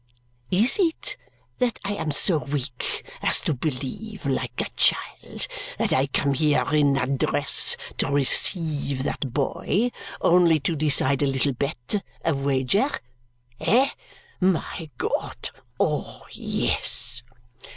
Is it that I am so weak as to believe, like a child, that I come here in that dress to rec eive that boy only to decide a little bet, a wager? Eh, my God, oh yes!"